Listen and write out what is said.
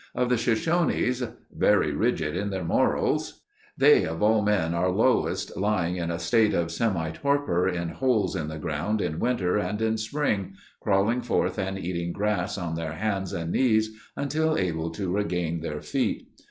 Of the Shoshones: "Very rigid in their morals." (Remi and Brenchley's Journal, Vol. 1, p. 85.) "They of all men are lowest, lying in a state of semi torpor in holes in the ground in winter and in spring, crawling forth and eating grass on their hands and knees until able to regain their feet